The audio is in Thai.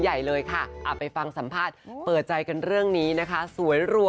มีซื้ออุปกรณ์การแพทย์ให้ลงพยาบาล